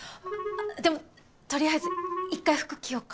でもとりあえず一回服着ようか。